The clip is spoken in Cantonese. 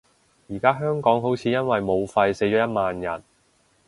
而家香港好似因為武肺死咗一萬人